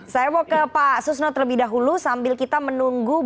saya mau ke pak susno terlebih dahulu sambil kita menunggu